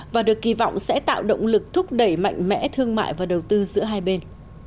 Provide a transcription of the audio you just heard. và được kỳ vọng sẽ tạo động lực thúc đẩy mạnh mẽ thương mại và đầu tư giữa hai bên